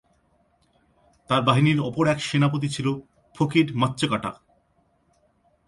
তার বাহিনীর অপর এক সেনাপতি ছিল ফকির মাচ্চকাটা।